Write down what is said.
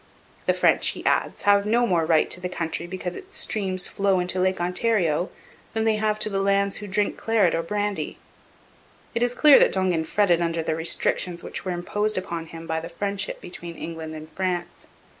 The French, he adds, have no more right to the country because its streams flow into Lake Ontario than they have to the lands of those who drink claret or brandy. It is clear that Dongan fretted under the restrictions which were imposed upon him by the friendship between England and France.